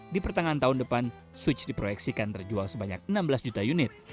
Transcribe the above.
di pertengahan tahun depan switch diproyeksikan terjual sebanyak enam belas juta unit